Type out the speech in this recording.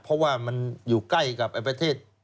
เพราะว่ามันอยู่ใกล้กับประเทศ